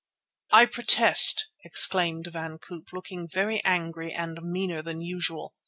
"I protest," exclaimed Van Koop, looking very angry and meaner than usual.